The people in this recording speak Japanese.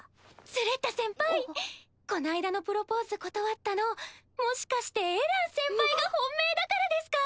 スレッタ先輩こないだのプロポーズ断ったのもしかしてエラン先輩が本命だからですか？